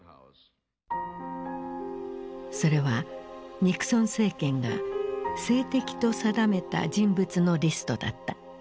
それはニクソン政権が政敵と定めた人物のリストだった。